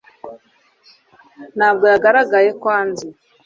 Ntabwo yagaragaye ko anzi